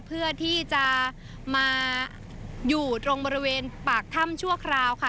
เพื่อที่จะมาอยู่ตรงบริเวณปากถ้ำชั่วคราวค่ะ